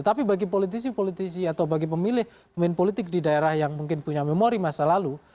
tapi bagi politisi politisi atau bagi pemilih pemain politik di daerah yang mungkin punya memori masa lalu